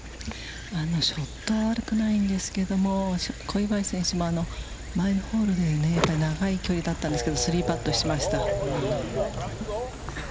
ショットは悪くないんですけれども、小祝選手も前のホールで、長い距離だったんですけど、３パットしました。